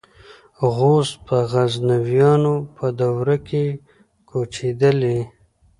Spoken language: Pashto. غوز په غزنویانو په دوره کې کوچېدلي.